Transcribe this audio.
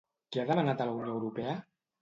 Què ha demanat a la Unió Europea?